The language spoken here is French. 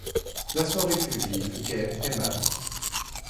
La soirée fut vive, gaie, aimable.